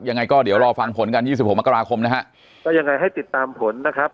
ยังไงก็เดี๋ยวรอฟังผลกันยี่สิบหกมกราคมนะฮะก็ยังไงให้ติดตามผลนะครับ